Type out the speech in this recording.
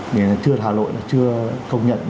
thì chưa hà nội là chưa công nhận